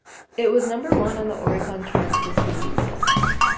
It was number one on the Oricon charts for two weeks.